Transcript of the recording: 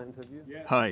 はい。